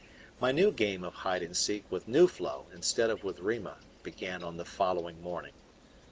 My new game of hide and seek with Nuflo instead of with Rima began on the following morning.